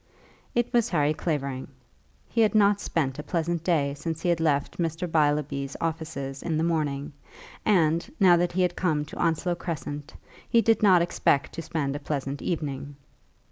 It was Harry Clavering. He had not spent a pleasant day since he had left Mr. Beilby's offices in the morning, and, now that he had come to Onslow Crescent, he did not expect to spend a pleasant evening.